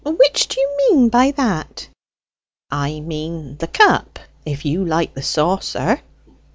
"Which do you mean by that?" "I mean the cup, if you like the saucer."